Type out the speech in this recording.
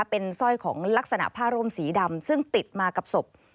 เป็นสร้อยของลักษณะผ้าร่มสีดำซึ่งติดมากับศพ